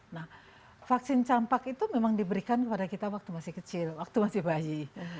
nah vaksin campak itu memang diberikan kepada kita waktu masih kecil waktu masih bayi